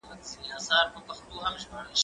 زه تکړښت کړی دی!؟